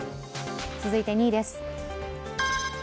続いて２位です。